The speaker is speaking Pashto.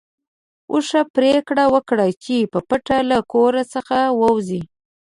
اوښ پرېکړه وکړه چې په پټه له کور څخه ووځي.